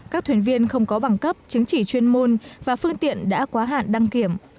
các thuyền viên không có bằng cấp chứng chỉ chuyên môn và phương tiện đã quá hạn đăng kiểm